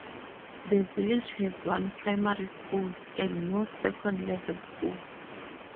The village has one primary school, and no second level school.